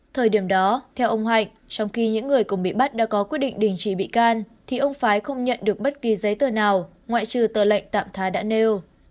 thời điểm đó theo ông hạnh trong khi những người cùng bị bắt đã có quyết định đình chỉ bị can thì ông phái không nhận được bất kỳ giấy tờ nào ngoại trừ tờ lệnh tạm thá đã nêu